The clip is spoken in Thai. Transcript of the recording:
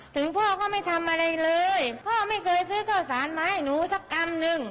ถึงพ่อก็ไม่ทำอะไรเลยพ่อไม่เคยซื้อข้าวสารมาให้หนูสักกำนึง